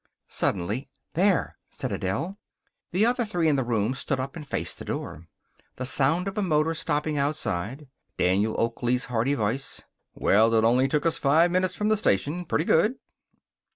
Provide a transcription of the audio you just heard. Suddenly, "There!" said Adele. The other three in the room stood up and faced the door. The sound of a motor stopping outside. Daniel Oakley's hearty voice: "Well, it only took us five minutes from the station. Pretty good."